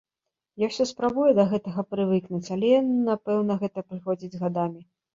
Я ўсё спрабую да гэтага прывыкнуць, але, напэўна, гэта прыходзіць з гадамі.